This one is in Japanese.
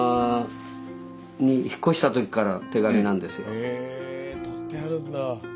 へ取ってあるんだ。